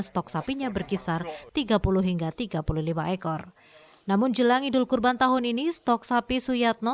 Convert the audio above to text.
stok sapinya berkisar tiga puluh hingga tiga puluh lima ekor namun jelang idul kurban tahun ini stok sapi suyatno